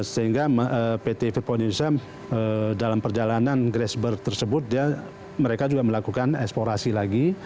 sehingga pt freeport indonesia dalam perjalanan grassberg tersebut mereka juga melakukan eksplorasi lagi